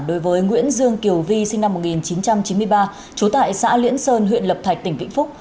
đối với nguyễn dương kiều vi sinh năm một nghìn chín trăm chín mươi ba trú tại xã liễn sơn huyện lập thạch tỉnh vĩnh phúc